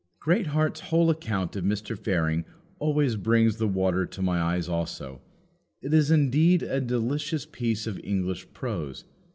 Greatheart's whole account of Mr. Fearing always brings the water to my eyes also. It is indeed a delicious piece of English prose.